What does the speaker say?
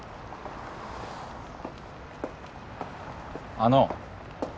あの。